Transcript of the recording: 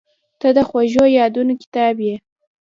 • ته د خوږو یادونو کتاب یې.